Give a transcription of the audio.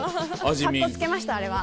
カッコつけましたあれは。